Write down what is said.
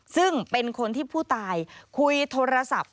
ซึ่งเป็นคนที่ผู้ตายคุยโทรศัพท์